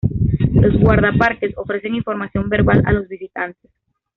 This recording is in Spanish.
Los guardaparques ofrecen información verbal a los visitantes.